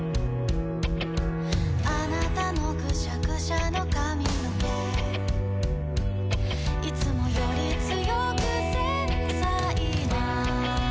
「あなたのくしゃくしゃの髪の毛」「いつもより強く繊細な」